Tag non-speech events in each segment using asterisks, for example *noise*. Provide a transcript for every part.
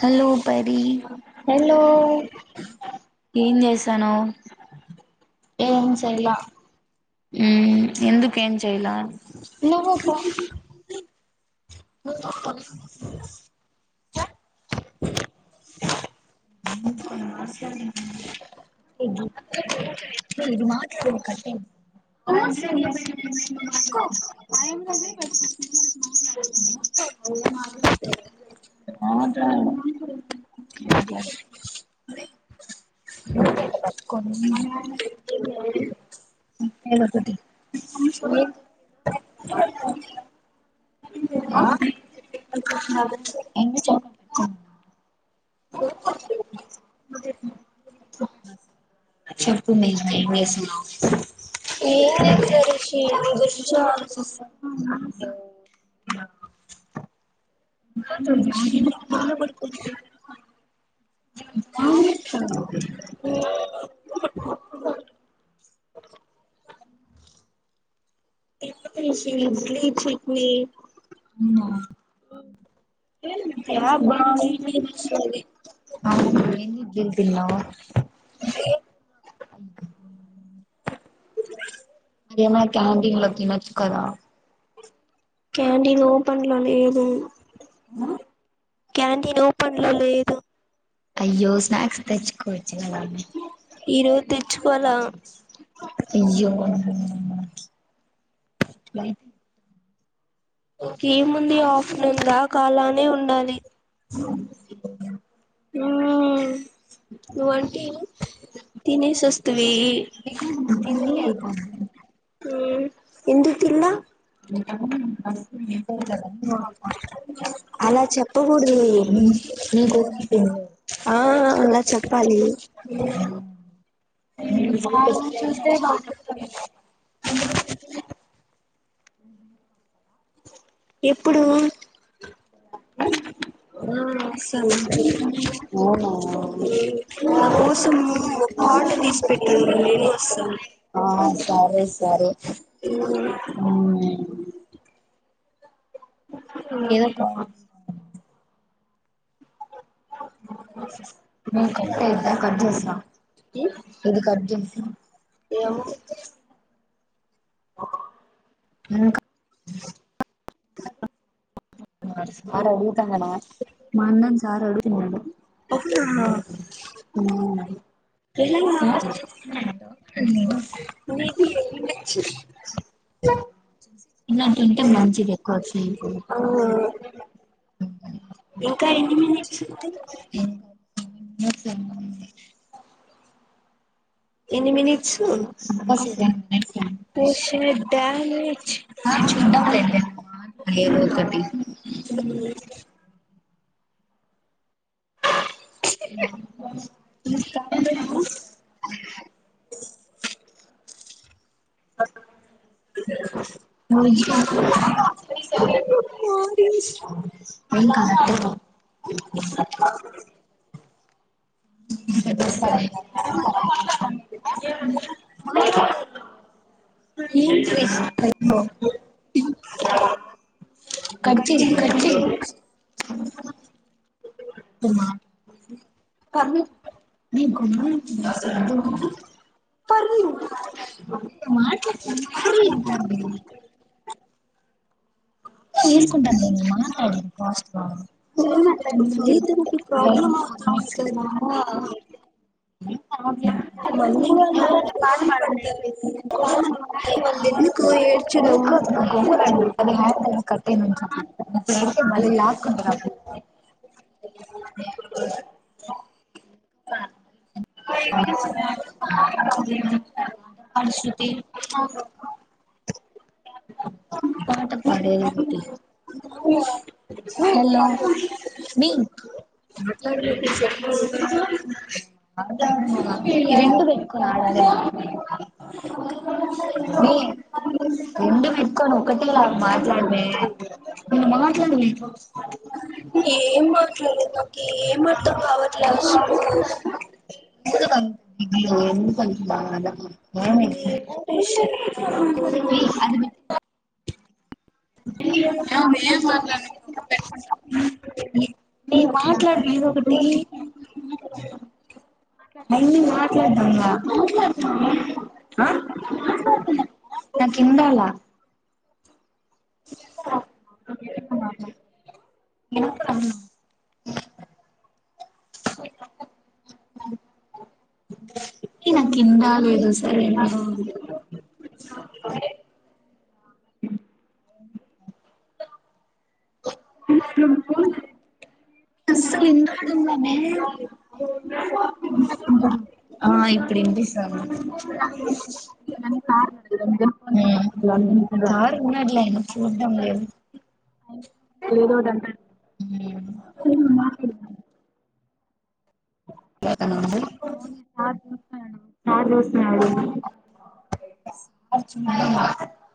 Hello పరి hello సానో ఏం చేయల ఎందుక ఏం చేయల నువు పూ *inaudible* *inaudible* ఇది మాత్రం *unintelligible* *unintelligible* *inaudible* ఆట మాట్లాడు కొ ఏటి *unintelligible* *unintelligible* మాట్లాడుతున్నా *unintelligible* చెప్పు మే ఏం చేస్తున్నావు *unintelligible* కింద పడిపోతున్న *unintelligible* *unintelligible* చెట్ట్నీ అవునా ఏం ఇడ్లీలు *unintelligible* తిన్నావా ఏమైంది క్యాంటీన్ లో తినొచ్చు కదా క్యాంటీన్ ఓపెన్లో లేదు క్యాంటీన్ ఓపెన్లో లేదు అయ్యో స్నాక్స్ తెచ్చుకోవచ్చు కదని ఈ రోజు తెచ్చుకోవాలా అయ్యో తిని హ ఎముంది ఆఫ్టర్నూన్ దాకా అలా ఉండాలి అ ఉ నువ్వంటేను తినేస్ వస్తు ఇ వెళ్ళిపోదు ఉ ఎందుకుతిన్న అలా చెప్పకూడదు నీకోసం ఆ అలా చెప్పాలి చూస్తే ఎందుకు ఎప్పుడు అ ఆ వస్తాను అవునా నా కోసం పాట తీసి పెట్టు నేను వస్తాను ఆ సరే సరే ఉ నాకేదో నాకేం కాల్ సం *inaudible* ద కట్ చేస్తా ఏం ఇది కట్ చేసి ఏమో ఇంక ఆడది నిజంగా అన్నవ మఅన్నను ఈసారి అడుగు మళ్ళీ అవున ఎలా సార్ చూస్తున్నాడంట మే బి అయ్యుండచ్చు ఇలాంటి ఉంటే మంచిది ఎక్కువ వచ్చు నీకు ఆ ఇంకా ఎన్ని మినెట్స్ ఉంది *unintelligible* ఎనిమిది ఇంకా సెవెన్ మినిట్స్ ఒ షెడ్ డామేట్ సార్ చూద్దాంలే మాట్లాడు ఏదో ఒకటి *inaudible* *inaudible* అక్క *unintelligible* తెలుసు ఏం కాదు *unintelligible* *unintelligible* ఎం చేసా కట్ చేయి కట్ చేయి *inaudible* పర్లేదు *unintelligible* *unintelligible* ఒక మాట చెప్పాల్సి పర్లేదు ఉంటుంది తీసుకుంటాన్లే మాట్లాడే ఫాస్ట్ గా లేదు మా తల్లి తనకి ప్రాబ్లం అయితది కదా మళ్లీ నేను పాట పాడు కబిల్ ఎందుకు ఏడ్చడం అంటే మళ్ళీ లాక్కుంటున్నావ్ *unintelligible* క్వా *unintelligible* శృతి అవు పాట పాడే హలో బ రెండు కు ఆడాల *inaudible* మ్మి రెండు పెట్టుకొని ఒకటేలా మాట్లాడువే అ మాట్లాడు ఏం మాట్లాడేది నాకు ఏం అర్థం కావట్లే అసలు అయ్యో ఎందు ప అద *inaudible* *unintelligible* అతనేమో ఫ్రెషియర్ *unintelligible* నువ్వేం మాట్లాడకు నే మాట్లాడు ఏదొ ఒకటి మల్లి మాట్లాడుదామా ఆ నాక్కిింరాల చెప్పరా ఎక్కువ మాట్లాడు ఎ *inaudible* ఏ నాకేం కాలేదు సరేనా హ్ *inaudible* అస్సలు ఎందుకున్ననే గమ్మున పెట్టుకుంటా ఆ ఇప్పుడు ఇన్పిస్తాంది కానీ సార్ మళ్ళీ మ్ సార్ ఉన్నడ్లే చూద్దాం లే ఎదోట్ అంటాం హ్మ్ మౌని సార్ సార్ చూసినడు *inaudible*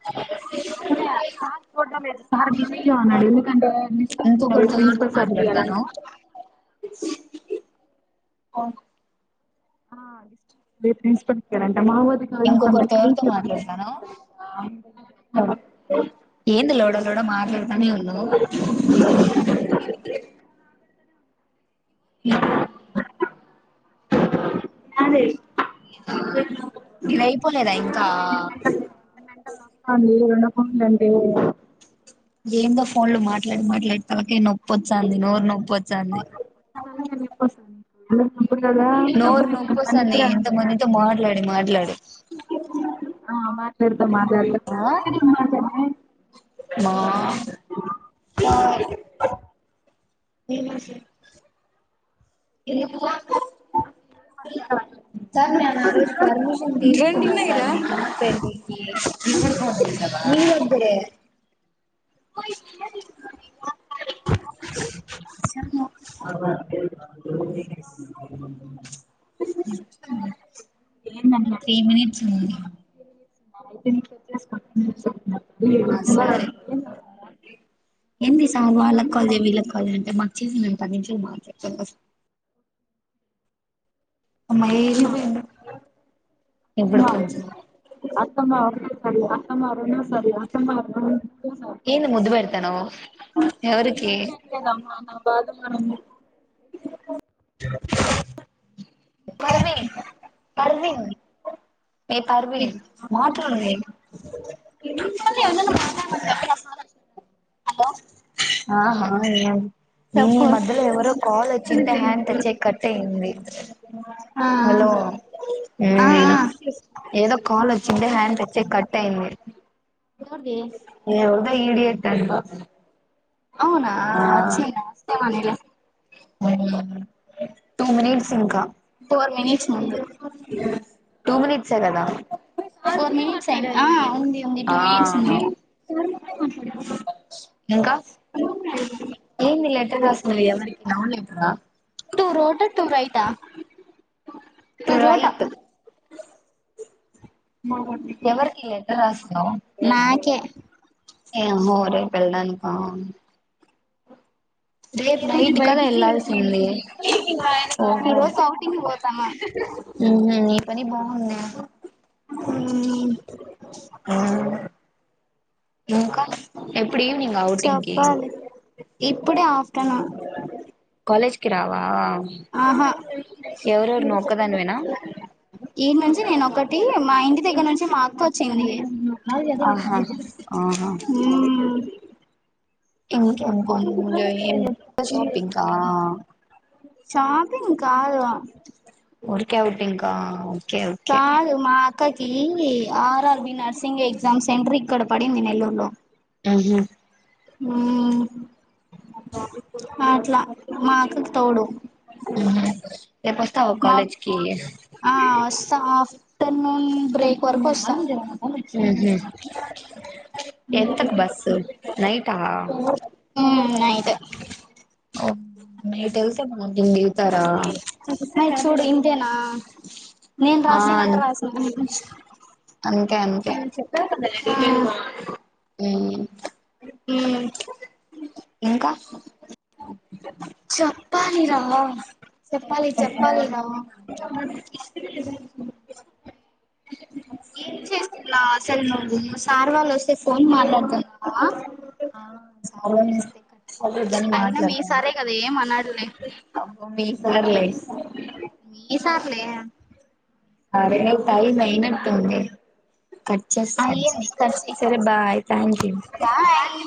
ఇంకొకరు సార్తో మాట్లాడతాను *unintelligible* అవున ఆ రేపు ప్రిన్సిపల్ కీ ఇంకొకరితో ఎవరితో మాట్లాడుతున్నాను. ఏంది లొడా లొడా మాట్లాట్ పని ఉందో *unintelligible* అదే నీద్ అయిపోలేదా ఇంకా అవునండి ఓ ఏందో ఫోన్లో మాట్లాడి మాట్లాడి తలకాయ నొప్ ప్పొచాంది నోరు నొప్పోచాంది వస్తాంది ఎంత మందితో మాట్లాడి మాట్లాడి హలో ఆ మా *unintelligible* *inaudible* ఏ *inaudible* ఎందుకు *inaudible* *inaudible* సార్ నేను ఆ రోజు పర్మిషన్ తీసుకున్నా సార్ *unintelligible* పెళ్ళికి మీ దగ్గరే *inaudible* *inaudible* *inaudible* త్రీ మినిట్స్ ఉంది ఈ థింక్ సో వచ్చేసిన *unintelligible* హా సరే ఎంది సర్ వాళ్ళకి కాల్ చెయ్యి వీళ్ళకి కాల్ చెయ్యి అని అంటే మా చేయి నేను పది నిమిషాలు మాట్లాతాను బ అమ్మా ఏ *unintelligible* ఇబ్బుడు కొంచెం అత్తమ్మ ఒకటో సారి అత్తమ్మ రొండో సారి అత్తమ్మ మూడు ఏంది ముద్దు పెడతాన్నావ్ ఎవరికి బాదం *unintelligible* *inaudible* పర్వీన్ పర్విన్ ఏ పర్వీన్ మాట్లాడవే *inaudible* హలో ఆ హా నీ మధ్యలో ఎవరో కాల్ వచ్చుంటే హ్యాండ్ టచ్ అయ్యి కట్ అయ్యింది ఆ అ *inaudible* హలో హమ్ ఆ ఏదో కాల్ వచ్చింటె హ్యాండ్ టచ్ అయ్యి కట్ అయింది ఎవరిది అ *inaudible* ఎవడో ఇడియట్ ఇటాలి *unintelligible* అవునా వచ్చైనా అస్తవల్లిట్ల ఉం టూ మినిట్స్ ఇంక ఫోర్ మినిట్స్ అవు టూ మినిట్ సరేర ఫోర్ మినిట్స్ అయ్యిం ఆ ఉంది ఉంది టూ ఆ మినిట్స్ ఉంది ఇంకా ఏంది లెటర్ రాస్తుంది ఈ అమ్మాయి. లవ్ లెటర్ ఆ. ట ట్రైతు ఎవరికి లెటర్ నాకే. ఎం హోరే పెళ్ళానికి బా *unintelligible* ఈరోజు కదా బయటికి రేపు వెళ్లాల్సింది ఇంటికి ఈ ఓహో రోజు ఔటింగ్ పోతాన్నా అవునా హ్మ్ ఇంకా ఎప్ చెప్పాలి ఇప్పుడే ఆఫ్టర్నూన్ కాలేజ్ కి రావా ఆహా ఎవరెవరు నువ్వు ఒక్కదానివేనా ఈడ్ నుంచి నేను ఒకటి మా ఇంటికి దిగ్గర్నుంచి మాక్ కోచ్చింది ఆహా ఆహా హ్మ్ ఇంకింకింగొయి ఎంజాయ్ ఇంకా షాపింగ్ కా షాపింగ్ కాదు ఊరికే ఔటింకా ఓకే ఓకే కాదు మా అక్కకి ఆర్ఆర్బి నర్సింగ్ ఎగ్జామ్ సెంటర్ ఇక్కడ పడింది నెల్లూరులో హ్మ్ హు హ్మ్ ఆ అట్లా మా అక్కకు తోడు రేపు వస్తావా మబ్ కాలేజ్ కి ఆ వస్తా ఆఫ్టర్నూన్ బ్రేక్ వరకు వస్తా ఉహు ఎంతకు బస్సు నైటా ఉమ్ నైట్ నైట్ ఎళ్తే బా మయ్ చూడు ఇంతేనా నేను ఆ రాస్తున్నట్టు రాస్తుంది అంతే అంతే ఆ హ్మ్ హ్మ్ ఇంకా చెప్పాలిరా చెప్పాలి చెప్పాలి రా అసలు సార్ వాళ్ళు వస్ ఫోన్ మాట్లాడుతన్నావా కట్టుకోకూడదని అయినా మీ మాట్లాడతాను సారే కదా ఏమ్ అన్నాడులే అబ్బో మీ సార్లే మీ సార్లే అరే టైం అయినట్టుంది కట్ చేస్తాం అయ్యింది కర్సి సరే బాయ్ థ్యాంక్ యూ బాయ్